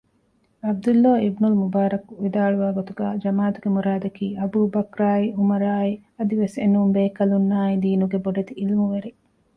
ޢަބްދުﷲ އިބްނުލްމުބާރަކު ވިދާޅުވާ ގޮތުގައި ޖަމާޢަތުގެ މުރާދަކީ އަބޫބަކްރާއި ޢުމަރާއި އަދިވެސް އެނޫން ބޭކަލުންނާއި ދީނުގެ ބޮޑެތި ޢިލްމުވެރިން